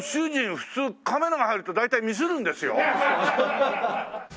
普通カメラが入ると大体ミスるんですよ。